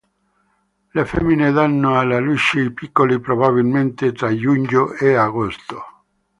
Le femmine danno alla luce i piccoli probabilmente tra giugno e agosto.